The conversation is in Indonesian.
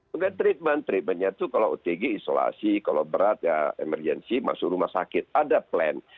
oke treatment treatmentnya itu kalau otg isolasi kalau berat ya emergency masuk rumah sakit ada plan